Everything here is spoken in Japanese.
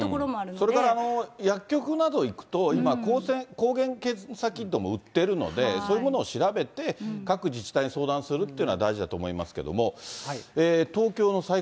それから薬局など行くと、今、抗原検査キットも売ってるので、そういうものを調べて、各自治体に相談するというのは大事だと思いますけども。